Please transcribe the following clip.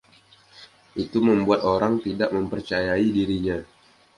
Itu membuat orang tidak mempercayai dirinya.